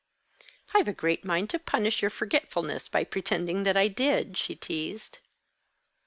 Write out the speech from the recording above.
"I've a great mind to punish your forgetfulness by pretending that I did," she teased.